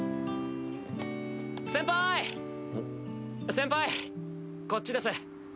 先輩こっちです。